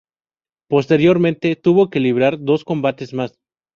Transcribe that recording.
Posteriormente, tuvo que librar dos combates más.